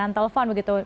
dan telpon begitu